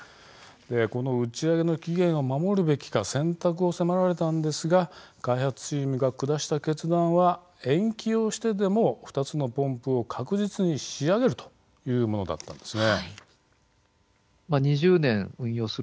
この打ち上げの期限を守るべきか選択を迫られたんですが開発チームが下した決断は延期をしてでも、２つのポンプを確実に仕上げるというものだったんです。